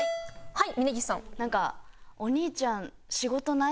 はい。